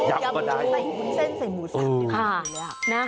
ยำก็ได้ใส่หุ้นเส้นใส่หมูสัตว์